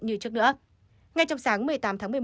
như trước nữa ngay trong sáng một mươi tám tháng một mươi một